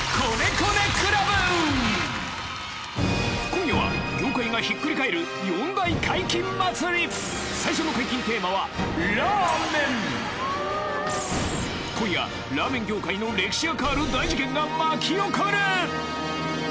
今夜は業界がひっくり返る最初の解禁テーマは今夜ラーメン業界の歴史が変わる大事件が巻き起こる！